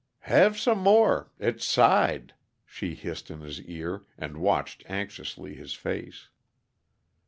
"Have some more it's side!" she hissed in his ear, and watched anxiously his face.